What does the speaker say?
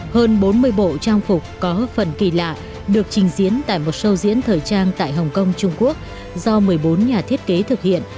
hơn bốn mươi bộ trang phục có phần kỳ lạ được trình diễn tại một show diễn thời trang tại hồng kông trung quốc do một mươi bốn nhà thiết kế thực hiện